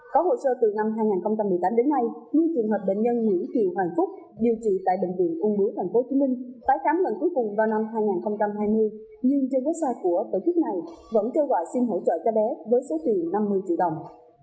có hồ sơ từ năm hai nghìn một mươi tám đến nay như trường hợp bệnh nhân nguyễn kiều hoàng phúc điều trị tại bệnh viện ung bướu tp hcm tái khám lần cuối cùng vào năm hai nghìn hai mươi nhưng trên website của tổ chức này vẫn kêu gọi xin hỗ trợ cho bé với số tiền năm mươi triệu đồng